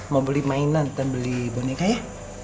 mau beli mainan dan beli boneka ya